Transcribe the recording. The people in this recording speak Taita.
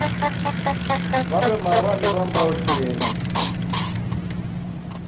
W'aw'emarwa ni w'ambao chieni.